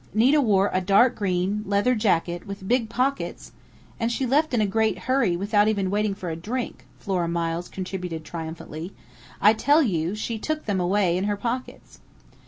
Nita wore a dark green leather jacket with big pockets " "And she left in a great hurry, without even waiting for a drink," Flora Miles contributed triumphantly. "I tell you, she took them away in her pockets."